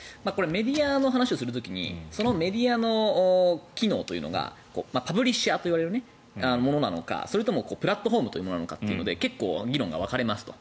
メディアの話をする時にメディアの機能というのがパブリッシャーというものなのかそれともプラットフォームというものなのかというので結構、議論が分かれますと。